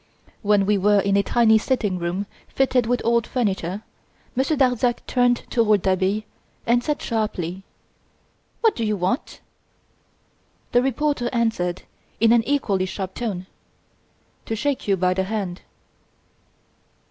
When we were in a tiny sitting room fitted with old furniture, Monsieur Darzac turned to Rouletabille and said sharply: "What do you want?" The reporter answered in an equally sharp tone: "To shake you by the hand."